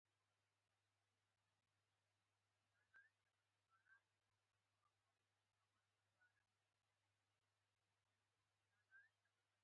سره له هغه چې موږ له احتیاط کار اخیستی دی.